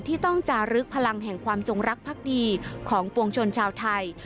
ที่ต้องจารึกพลังแห่งความจงรักภักดีของปวงชนชาวไทย